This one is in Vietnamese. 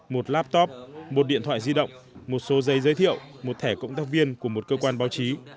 một laptop một điện thoại di động một số giấy giới thiệu một thẻ cộng tác viên của một cơ quan báo chí